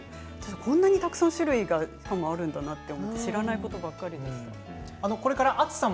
こんなにたくさん種類があるなんて知らないことばかりでした。